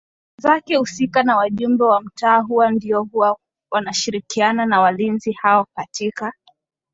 zake husika na Wajumbe wa mtaa huwa ndio huwa wanashirikiana na walinzi hao katika